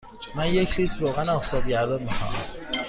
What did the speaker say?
من یک لیتر روغن آفتابگردان می خواهم.